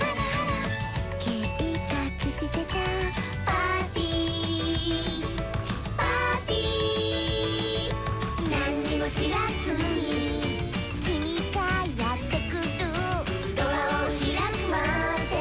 「けいかくしてたパーティー」「なんにもしらずに」「きみがやってくる」「ドアをひらくまで」